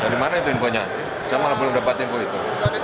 dari mana itu infonya saya malah belum dapat info itu